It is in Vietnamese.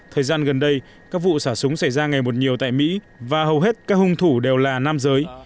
thời gian gần đây các vụ xả súng xảy ra ngày một nhiều tại mỹ và hầu hết các hung thủ đều là nam giới